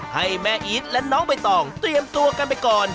ให้แม่อีทและน้องใบตองเตรียมตัวกันไปก่อน